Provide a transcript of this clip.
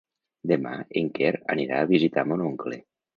Demà en Quer anirà a visitar mon oncle.